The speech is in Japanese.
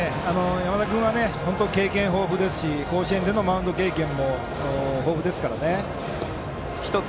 山田君は経験豊富ですし甲子園でのマウンド経験も豊富ですから。